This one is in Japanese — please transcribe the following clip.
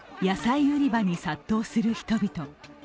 野菜売り場に殺到する人々。